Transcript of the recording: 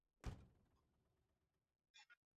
Ukanda wa kati una miinuko michache na mbuga pana